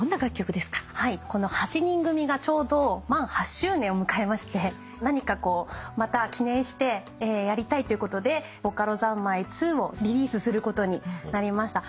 この８人組がちょうど満８周年を迎えまして何かこうまた記念してやりたいっていうことで『ボカロ三昧２』をリリースすることになりました。